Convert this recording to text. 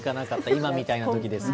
今みたいなときですか。